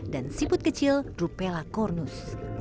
dan siput kecil rupela cornus